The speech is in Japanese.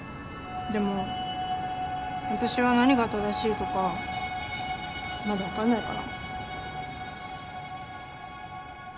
でも私は何が正しいとかまだ分かんないかな。